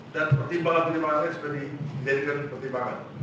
dan pertimbangan pertimbangan lainnya sebaiknya dijadikan pertimbangan